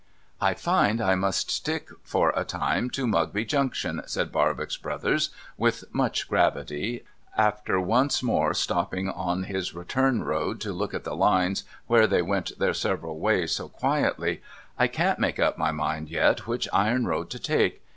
' I find I must stick for a time to Mugby Junction,' said Barbox Brothers with much gravity, after once more stopping on his return road to look at the Lines where they went their several ways so quietly. ' I can't make up my mind yet which iron road to take.